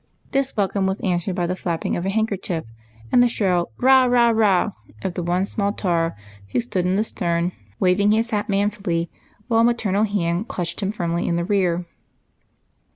This welcome was answered by the flapping of a handkerchief and the shrill " Rah ! Rah ! Rah !" of the one small tar who stood in the stern waving his hat manfully, while a maternal hand clutched him firmly in the rear.